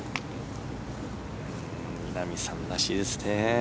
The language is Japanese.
稲見さんらしいですね。